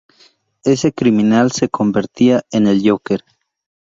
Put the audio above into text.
Ese criminal se convertiría en el Joker.